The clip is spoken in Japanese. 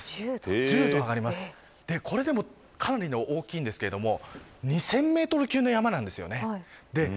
これでもかなり大きいんですが２０００メートル級の山なんです。